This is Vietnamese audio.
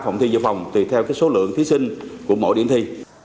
một ba phòng thi vô phòng tùy theo số lượng thí sinh của mỗi điểm thi